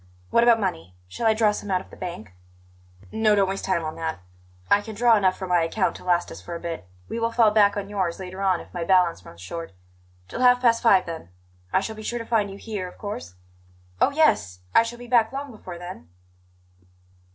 What about money? Shall I draw some out of the bank?" "No; don't waste time on that; I can draw enough from my account to last us for a bit. We will fall back on yours later on if my balance runs short. Till half past five, then; I shall be sure to find you here, of course?" "Oh, yes! I shall be back long before then."